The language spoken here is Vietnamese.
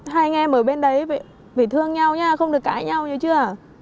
hai anh em ở bên đấy phải thương nhau nhé không được cãi nhau hiểu chưa